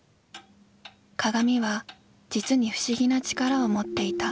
鏡は実に不思議な力をもっていた。